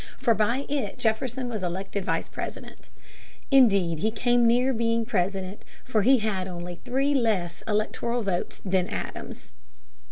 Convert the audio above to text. For by it Jefferson was elected Vice President. Indeed, he came near being President, for he had only three less electoral votes than Adams.